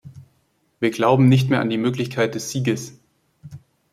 Wir glauben nicht mehr an die Möglichkeit des Sieges.